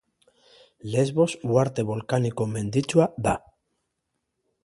Lesbos uharte bolkaniko menditsua da.